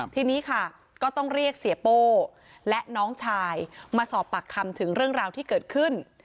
ทีนี้ค่ะก็ต้องเรียกเสียโป้และน้องชายมาสอบปากคำถึงเรื่องราวที่เกิดขึ้น